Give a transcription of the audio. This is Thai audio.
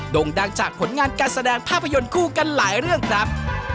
่งดังจากผลงานการแสดงภาพยนตร์คู่กันหลายเรื่องครับ